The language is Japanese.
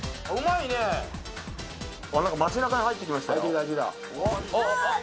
あっなんか街中に入ってきましたよ。